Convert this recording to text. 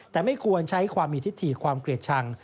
แต่ไม่ควรใช้ความมีทิศถีความเกลียดชัง